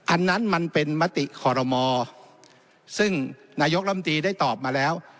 อันนั้นมันเป็นมติขอรมอซึ่งนายกรรมตรีได้ตอบมาแล้ว